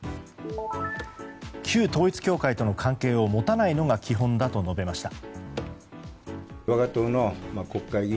旧統一教会との関係を持たないのが基本だと述べました。